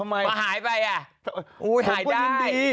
ทำไมว่าหายไปหายได้